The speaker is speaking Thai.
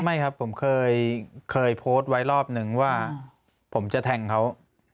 ไม่ครับผมเคยโพสต์ไว้รอบนึงว่าผมจะแทงเขา